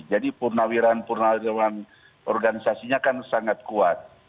jadi purnawiran purnawiran organisasinya kan sangat kuat